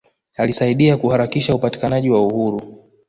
Alisaidia kuharakisha upatikanaji wa uhuru